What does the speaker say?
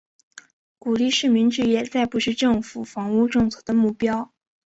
鼓励市民置业再不是政府房屋政策的目标。